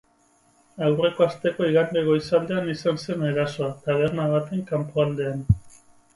Aurreko asteko igande goizaldean izan zen erasoa, taberna baten kanpoaldean.